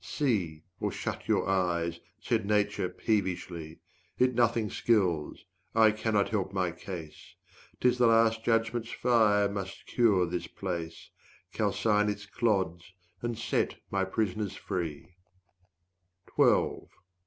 "See Or shut your eyes," said Nature peevishly, "It nothing skills; I cannot help my case; 'Tis the Last Judgment's fire must cure this place, 65 Calcine its clods and set my prisoners free."